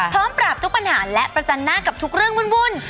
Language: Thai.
พร้อมปราบทุกปัญหาและประจันหน้ากับทุกเรื่องวุ่น